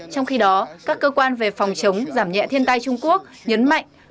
trong khi đó các cơ quan về phòng chống giảm nhẹ thiên tai trung quốc nhấn mạnh